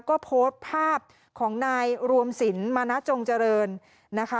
ก็โพสต์ภาพของนายรวมสินมณจงเจริญนะคะ